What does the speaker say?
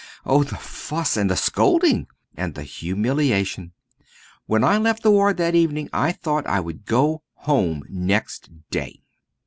Oh! the fuss, and the scolding, and the humiliation! When I left the ward that evening I thought I would go home next day."